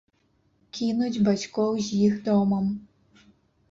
Кінуць бацькоў з іх домам!